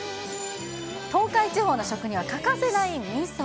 東海地方の食には欠かせないみそ。